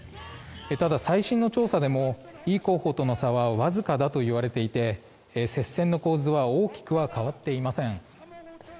ただ最新の調査でもイ候補との差はわずかだといわれていて接戦の構図は大きくは変わっていません。